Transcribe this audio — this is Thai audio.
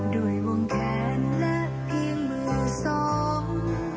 ด้วยวงแขนและเพียงมือสอง